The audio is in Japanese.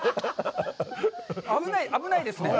危ない、危ないですね。